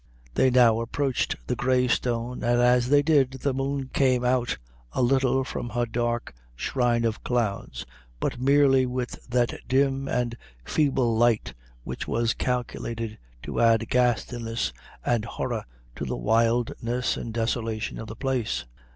They now approached the Grey Stone, and as they did the moon came out a little from her dark shrine of clouds, but merely with that dim and feeble light which was calculated to add ghastliness and horror to the wildness and desolation of the place.